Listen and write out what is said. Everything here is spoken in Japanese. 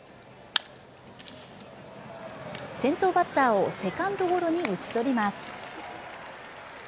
先頭バッターをセカンドゴロに打ち取ります